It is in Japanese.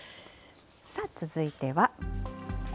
続いては。